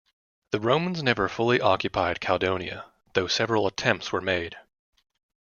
The Romans never fully occupied Caledonia, though several attempts were made.